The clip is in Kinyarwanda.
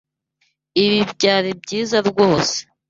Ibi byari byiza rwose.